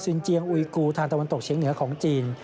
เจียงอุยกูทางตะวันตกเฉียงเหนือของจีน